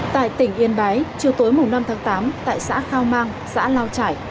tại tỉnh yên bái chiều tối năm tháng tám tại xã khao mang xã lao trải